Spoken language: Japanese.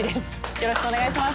よろしくお願いします。